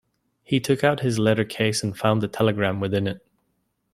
He took out his letter-case and found the telegram within it.